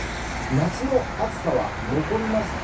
夏の暑さは残りますか？